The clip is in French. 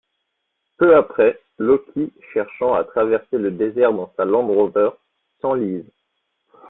Peu après, Locke cherchant à traverser le désert dans sa Landrover, s'enlise.